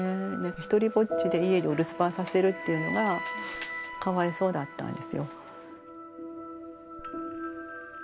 独りぼっちで家にお留守番させるっていうのがかわいそうだったんですよ。